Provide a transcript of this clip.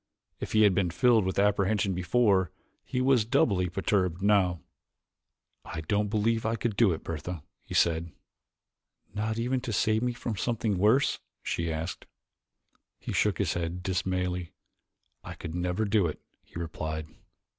If he had been filled with apprehension before, he was doubly perturbed now. "I don't believe I could do it, Bertha," he said. "Not even to save me from something worse?" she asked. He shook his head dismally. "I could never do it," he replied.